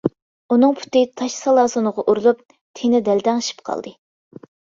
ئۇنىڭ پۇتى تاش سالاسۇنغا ئۇرۇلۇپ، تېنى دەلدەڭشىپ قالدى.